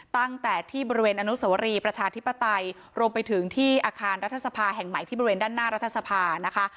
ตั้งแต่ที่บริเวณอนุสวรีประชาธิปไตยรวมไปถึงที่อาคารรัฐสภาแห่งใหม่ที่บริเวณด้านหน้ารัฐสภานะคะ